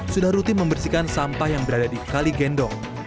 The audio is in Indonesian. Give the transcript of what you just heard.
sudah rutin membersihkan sampah yang berada di kali gendong